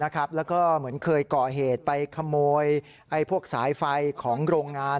ก่อเหตุไปขโมยพวกสายไฟของโรงงาน